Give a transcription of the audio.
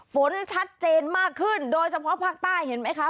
ฝนชัดเจนมากขึ้นโดยเฉพาะภาคใต้เห็นไหมคะ